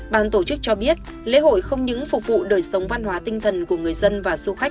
ban tổ chức cho biết lễ hội không những phục vụ đời sống văn hóa tinh thần của người dân và du khách